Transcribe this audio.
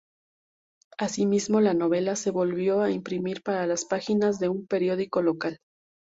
Asimismo, la novela se volvió a imprimir para las páginas de un periódico local.